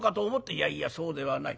「いやいやそうではない。